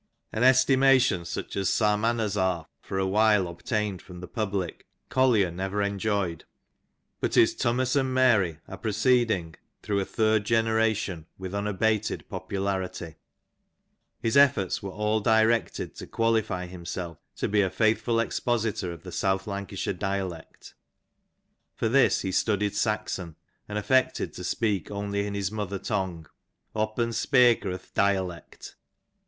An estimation such as Psalmanazar for awhile obtained from the public Collier never en joyed ; but his Tummus and Meary are proceeding through a third ON TH£ SOUTH LANCASHIRE DIALECT. 59 generation with unabated popularity. His efforts were all directed to qualify himself to be a faithful expositor of the South Lancashire dialect ; for this he studied Saxon, and affected to speak only in his mother tongue —'* opp'n speyker o'*th' dialect.